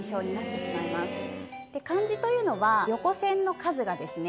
漢字というのは横線の数がですね